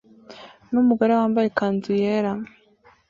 numugore wambaye ikanzu yera